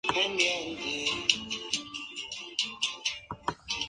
Antiguamente el suelo estaba empedrado con grandes losas, pero hoy lo tiene de madera.